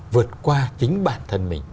vượt qua chính bản thân mình